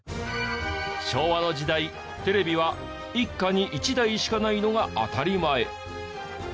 昭和の時代テレビは一家に１台しかないのが当たり前。